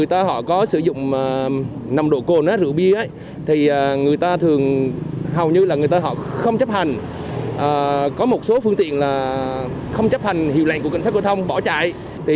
tạm giữ phương tiện bảy ngày